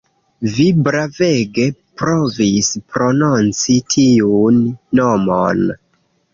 Vi bravege provis prononci tiun nomon